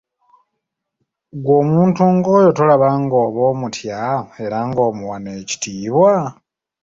Ggwe omuntu ng'oyo tolaba ng'oba omutya era ng'omuwa n'ekitiibwa?